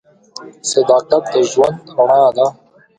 صداقت د ژوند رڼا ده.